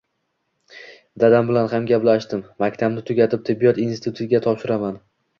Dadam bilan ham gaplashdim, maktabni tugatib, tibbiyot institutiga topshiraman